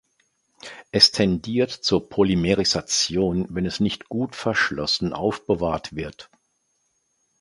Es tendiert zur Polymerisation wenn es nicht gut verschlossen aufbewahrt wird.